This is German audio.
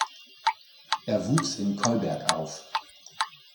Er wuchs in Kolberg auf.